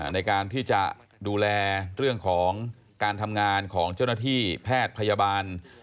ในการที่จะดูแลเรื่องของการทำงานของเจ้าหน้าที่แพทย์พยาบาล